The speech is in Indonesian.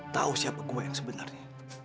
tahu siapa gue yang sebenarnya